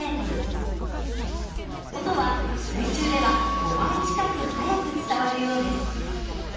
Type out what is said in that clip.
音は水中では５倍近く速く伝わるようです。